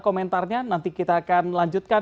komentarnya nanti kita akan lanjutkan